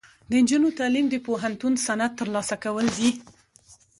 د نجونو تعلیم د پوهنتون سند ترلاسه کول دي.